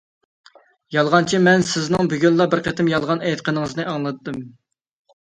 -يالغانچى، مەن سىزنىڭ بۈگۈنلا بىر قېتىم يالغان ئېيتقىنىڭىزنى ئاڭلىدىم.